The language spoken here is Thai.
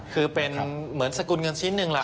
คือเป็นเหมือนสกุลเงินชิ้นหนึ่งล่ะ